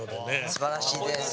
すばらしいです。